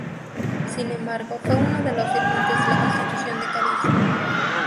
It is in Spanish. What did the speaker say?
Sin embargo, fue uno de los firmantes de la Constitución de Cádiz.